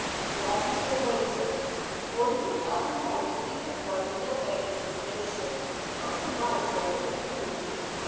Then they waited, walking up and down to keep the blood in their veins in motion, as the nights were a little cool.